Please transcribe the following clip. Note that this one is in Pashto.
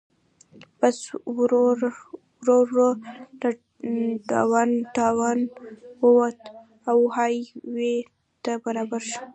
بس ورو ورو له ډاون ټاون ووت او های وې ته برابر شو.